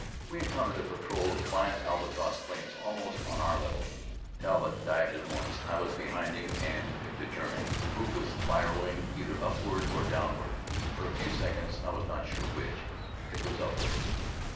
We encountered a patrol of five Albatross planes almost on our level. Talbott dived at once. I was behind him and picked a German who was spiraling either upward or downward, for a few seconds I was not sure which. It was upward.